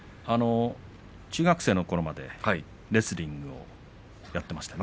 中学生のころまでレスリングをやっていましたね。